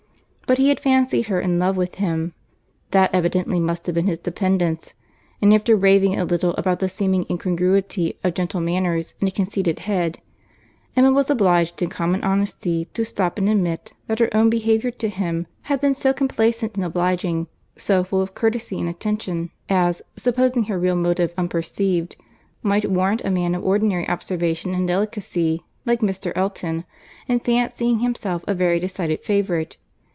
—But he had fancied her in love with him; that evidently must have been his dependence; and after raving a little about the seeming incongruity of gentle manners and a conceited head, Emma was obliged in common honesty to stop and admit that her own behaviour to him had been so complaisant and obliging, so full of courtesy and attention, as (supposing her real motive unperceived) might warrant a man of ordinary observation and delicacy, like Mr. Elton, in fancying himself a very decided favourite.